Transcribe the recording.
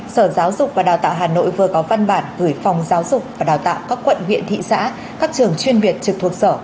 sở giáo dục và đào tạo hà nội vừa có văn bản gửi phòng giáo dục và đào tạo các quận huyện thị xã các trường chuyên biệt trực thuộc sở